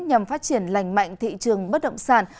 nhằm phát triển lành mạnh thị trường bất động sản